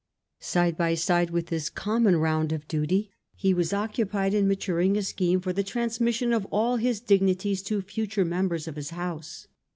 Side by side with this common round of duty, he was occupied in maturing a scheme for the transmission of all his dignities to future members of his house.